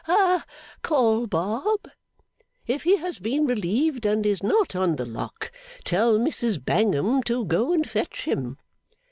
Good. Ha. Call Bob. If he has been relieved, and is not on the lock, tell Mrs Bangham to go and fetch him.